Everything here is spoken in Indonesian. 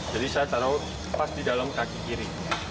jadi saya taruh pas di dalam kaki kiri